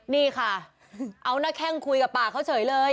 นี่ค่ะเอาหน้าแข้งคุยกับปากเขาเฉยเลย